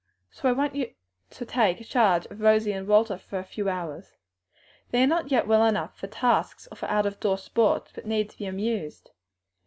So I ask you to take charge of Rosie and Walter for a few hours. They are not yet well enough for tasks or for out door sports, but need to be amused.